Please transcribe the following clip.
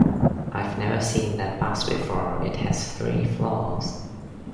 I've never seen that bus before. It has three floors!